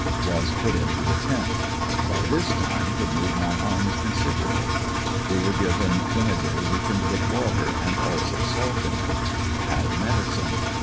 Was put into a tent. By this time could move my arms considerable. We were given vinear weakened with water, and also salt in it Had medicine.